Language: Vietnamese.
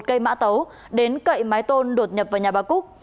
cây mã tấu đến cậy mái tôn đột nhập vào nhà bà cúc